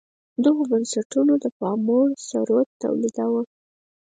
دغو بنسټونو د پاموړ ثروت تولیداوه.